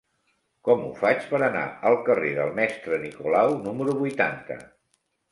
Com ho faig per anar al carrer del Mestre Nicolau número vuitanta?